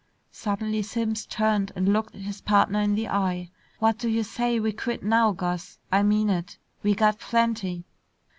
Suddenly Simms turned and looked his partner in the eye. "What do you say we quit now, Gus? I mean it. We got plenty."